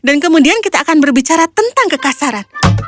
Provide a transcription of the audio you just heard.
dan kemudian kita akan berbicara tentang kekasaran